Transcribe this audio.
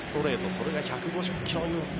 それが１５０ｋｍ